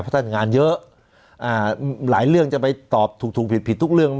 เพราะท่านงานเยอะอ่าหลายเรื่องจะไปตอบถูกถูกผิดผิดทุกเรื่อง